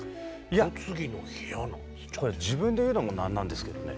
これ自分で言うのも何なんですけどね